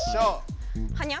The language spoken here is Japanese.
「はにゃ」。